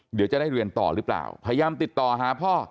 หรือจะได้เรียนต่อหรือเปล่าแพยามติดต่อพ่อ